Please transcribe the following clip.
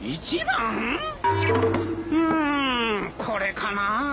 うんこれかなあ？